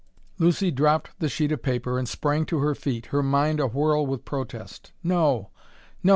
Lucy dropped the sheet of paper and sprang to her feet, her mind awhirl with protest. No, no!